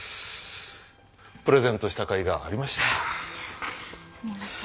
プレゼントしたかいがありました。